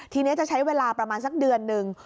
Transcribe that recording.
ทีนี้จะใช้เวลาประมาณสักเดือนหนึ่ง